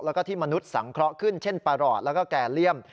แล้วก็ที่มนุษย์สังเคราะห์ขึ้นเช่นประหลอดแล้วก็แก่เลี่ยม